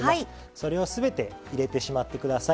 それを全て入れてしまって下さい。